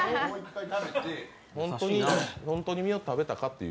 本当に身を食べたかって。